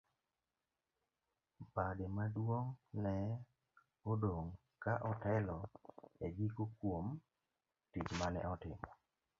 Bade maduong' ne odong' ka otelo e giko kuom tich mane otimo.